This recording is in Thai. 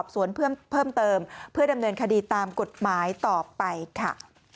สวนเพิ่มเติมเพื่อดำเนินคดีตามกฎหมายต่อไปค่ะ